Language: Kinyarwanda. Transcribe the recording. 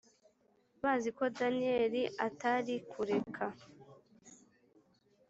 Bazi ko daniyeli atari kureka